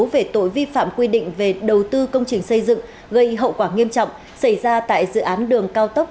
về tội vi phạm quy định về đầu tư công trình xây dựng gây hậu quả nghiêm trọng xảy ra tại dự án đường cao tốc